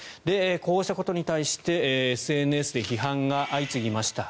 こうしたことに対してＳＮＳで批判が相次ぎました。